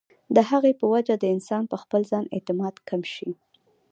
د هغې پۀ وجه د انسان پۀ خپل ځان اعتماد کم شي